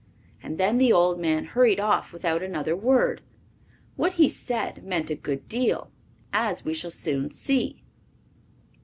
And then the old man hurried off without another word. What he said meant a good deal, as we shall soon see.